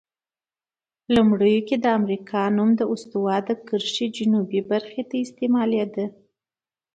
لومړیو کې د امریکا نوم د استوا د کرښې جنوب برخې ته استعمالیده.